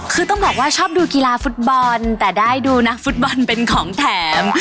คือต้องบอกว่าชอบดูกีฬาฟุตบอลแต่ได้ดูนะฟุตบอลเป็นของแถม